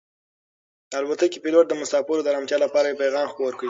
د الوتکې پېلوټ د مسافرو د ارامتیا لپاره یو پیغام خپور کړ.